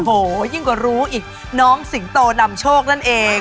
โอ้โหยิ่งกว่ารู้อีกน้องสิงโตนำโชคนั่นเอง